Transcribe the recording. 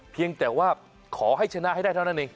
เพียงแต่ว่าขอให้ชนะให้ได้เท่านั้นเอง